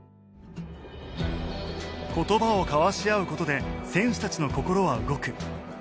言葉を交わし合う事で選手たちの心は動く。